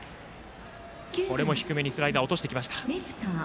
これも低めにスライダーを落としてきました。